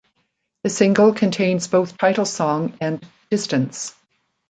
The single contains both title song and "Distance".